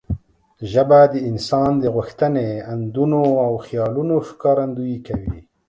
ژبه د انسان د غوښتنې، اندونه او خیالونو ښکارندويي کوي.